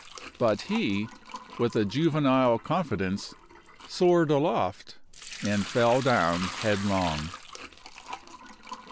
But he, with a juvenile confidence, soared aloft, and fell down headlong.